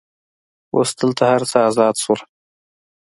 اوس دلته هر څه آزاد شول.